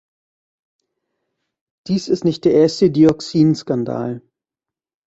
Dies ist nicht der erste Dioxinskandal.